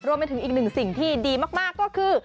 รวมไปถึงอีกหนึ่งสิ่งที่ดีมากก็คือ